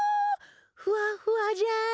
ふわふわじゃ。